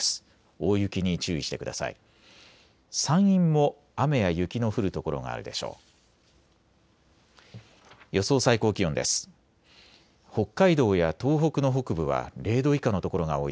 大雪に注意してください。